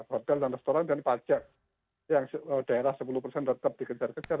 hotel dan restoran dan pajak yang daerah sepuluh persen tetap dikejar kejar